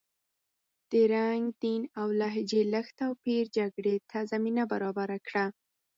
د رنګ، دین او لهجې لږ توپیر جګړې ته زمینه برابره کړه.